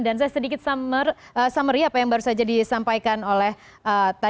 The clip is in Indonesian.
dan saya sedikit summary apa yang baru saja disampaikan oleh tadi